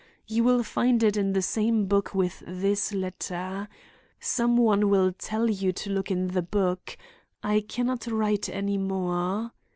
You will find it in the same book with this letter. Some one will tell you to look in the book—I can not write any more.